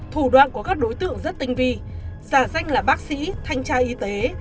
thủ đoạn của các đối tượng rất tinh vi giả danh là bác sĩ thanh tra y tế